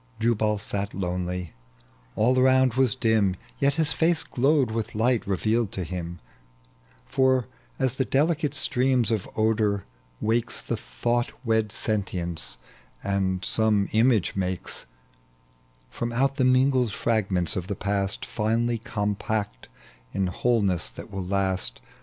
Jubal sat lonely, all around was dim, Yet his face glowed with light revealed to him : For aa the delicate stream of odor wakes The thoT^M wed sentience, and some image makes From out the mingled fragments of the past, Finely compact in wholeness that will last.